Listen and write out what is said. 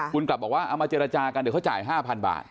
คุณกลับบอกว่าเอามาเจรจากันเดี๋ยวเขาจ่าย๕๐๐บาท